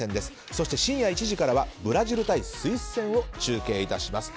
そして深夜１時からはブラジル対スイス戦を中継いたします。